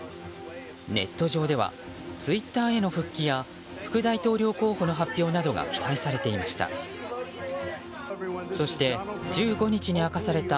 ネット上ではツイッターへの復帰や副大統領候補の発表などが期待されていました。